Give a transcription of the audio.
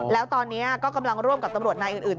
แล้วตอนนี้ก็กำลังร่วมกับตำรวจนายอื่น